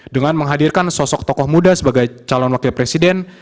dengan menghadirkan sosok tokoh muda sebagai calon wakil presiden